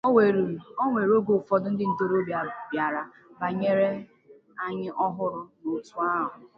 o nwere oge ụfọdụ ndị ntorobịa bịara banyere anyị ọhụrụ n'òtù a